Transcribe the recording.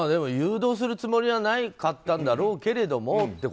誘導するつもりはなかったんだろうけれども？